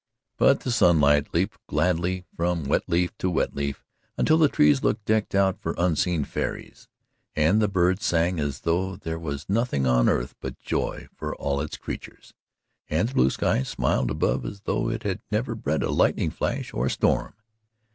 But the sunlight leaped gladly from wet leaf to wet leaf until the trees looked decked out for unseen fairies, and the birds sang as though there was nothing on earth but joy for all its creatures, and the blue sky smiled above as though it had never bred a lightning flash or a storm.